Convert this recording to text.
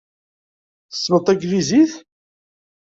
Tessneḍ taglizit?